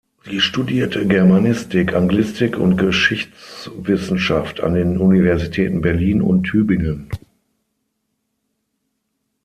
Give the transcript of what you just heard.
Sie studierte Germanistik, Anglistik und Geschichtswissenschaft an den Universitäten Berlin und Tübingen.